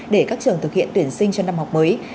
để các trường thực hiện tuyển sinh cho năm học mới